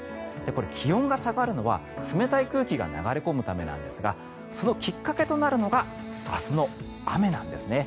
これ、気温が下がるのは冷たい空気が流れ込むためなんですがそのきっかけとなるのが明日の雨なんですね。